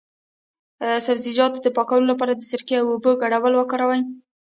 د سبزیجاتو د پاکوالي لپاره د سرکې او اوبو ګډول وکاروئ